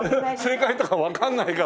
正解とかわからないから。